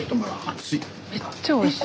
めっちゃおいしい！